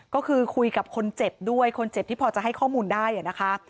ก็คือคุยกับคนเจ็บด้วยคนเจ็บที่พอจะให้ข้อมูลได้นะคะ